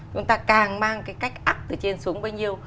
chúng ta càng mang cái cách ắp từ trên xuống bao nhiêu